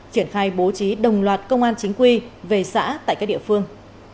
triển khai bố trí đồng loạt công an chính quy về xã tại các địa phương